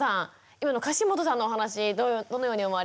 今の樫本さんのお話どのように思われますか？